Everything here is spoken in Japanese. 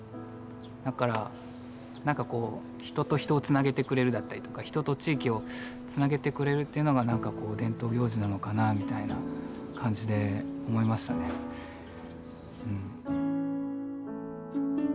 だからなんかこう人と人をつなげてくれるだったりとか人と地域をつなげてくれるっていうのがなんかこう伝統行事なのかなみたいな感じで思いましたねうん。